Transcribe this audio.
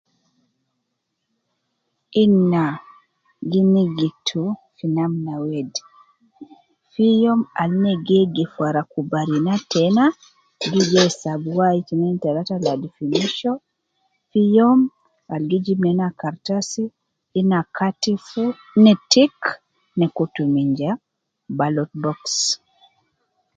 Ina, gi nigitu namna wede , fi youm al na gi yegif wara kubarina tena gi ja yisab wai tinin talata ladi fi misho ,fi youm al gi jib nena kartasi ina katifu ne tick ne kutu min jua ballot box